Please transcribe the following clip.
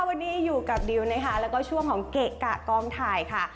วันนี้อยู่กับดิวนะคะแล้วก็ช่วงของเกะกะกองถ่ายค่ะ